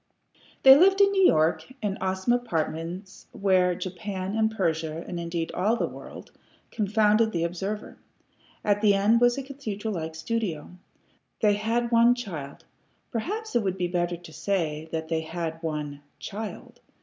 They lived in New York, in awesome apartments wherein Japan and Persia, and indeed all the world, confounded the observer. At the end was a cathedral like studio. They had one child. Perhaps it would be better to say that they had one CHILD.